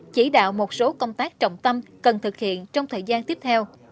chỉ đạo một số công tác trọng tâm cần thực hiện trong thời gian tiếp theo